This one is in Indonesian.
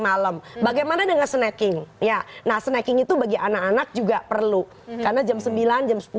malam bagaimana dengan snacking ya nah snacking itu bagi anak anak juga perlu karena jam sembilan jam sepuluh